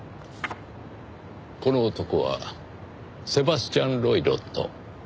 この男はセバスチャン・ロイロット。